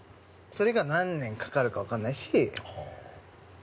それが何年かかるか分かんないし。